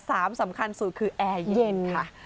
สามสำคัญสุดคือแอไม่เย็นค่ะ